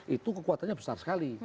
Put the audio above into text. itu kekuatannya besar sekali